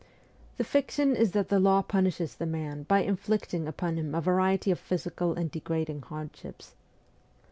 The fiction is that the law punishes the man by inflicting upon him a variety of physical and degrading hardships.